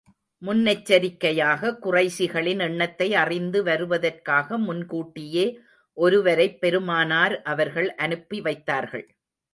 முன்னெச்சரிக்கையாக, குறைஷிகளின் எண்ணத்தை அறிந்து வருவதற்காக, முன்கூட்டியே ஒருவரைப் பெருமானார் அவர்கள் அனுப்பி வைத்தார்கள்.